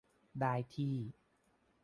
ได้ที่